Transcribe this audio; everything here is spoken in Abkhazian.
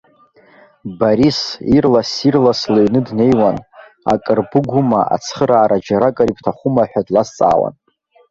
Борис ирлас-ирлас лыҩны днеиуан, акыр быгума, ацхыраара џьаракыр ибҭахума ҳәа длазҵаауан.